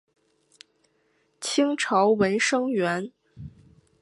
清朝文生员。